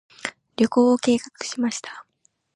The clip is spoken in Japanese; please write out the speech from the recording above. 旅行を計画しました。